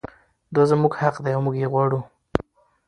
دا زموږ حق دی او موږ یې غواړو.